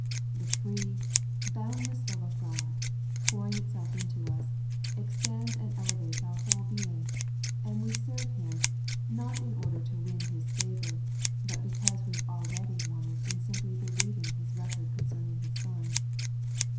The free, boundless love of God, pouring itself into us, expands and elevates our whole The Holy Life of the Justified, 183 being ; and we serve Him, not in order to win His favour, but because we have already won it in simply believing His record concerning His Son.